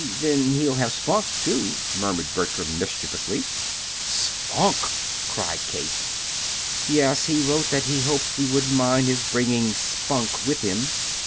Then he'll have Spunk, too," murmured Bertram, mischievously. "Spunk!" cried Kate. "Yes. He wrote that he hoped we wouldn't mind his bringing Spunk with him."